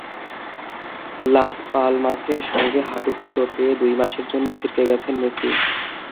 লাস পালমাসের সঙ্গে হাঁটুতে চোট পেয়ে দুই মাসের জন্য ছিটকে গেছেন মেসি।